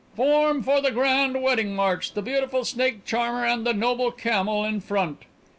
"Form for the grand wedding march, the beautiful snake charmer and the noble camel in front!"